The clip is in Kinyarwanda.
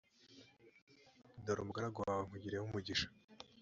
dore umugaragu wawe nkugiriyeho umugisha